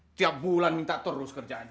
setiap bulan minta terus kerjaannya